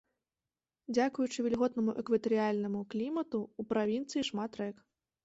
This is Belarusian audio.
Дзякуючы вільготнаму экватарыяльнаму клімату ў правінцыі шмат рэк.